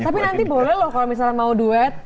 tapi nanti boleh loh kalau misalnya mau duet